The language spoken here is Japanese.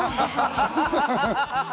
アハハハハ！